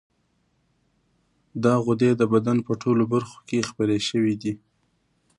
دا غدې د بدن په ټولو برخو کې خپرې شوې دي.